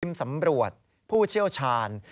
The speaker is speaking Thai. สำรวจผู้เชี่ยวชาญ